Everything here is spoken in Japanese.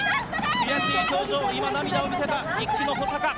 悔しい表情、今、涙を見せた１区の保坂。